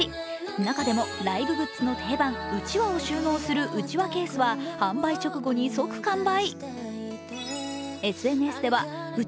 中でも、ライブグッズの定番、うちわを収納するうちわケースは販売直後に即完売。